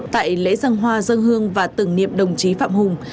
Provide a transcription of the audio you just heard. tại lễ dân hoa dân hương và tưởng niệm đồng chí phạm hùng